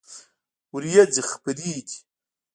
ورېځې خپری دي